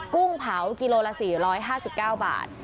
กุ้งเผากิโลละ๔๕๙บาท